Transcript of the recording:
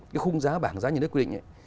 cái khung giá bảng giá nhà nước quy định ấy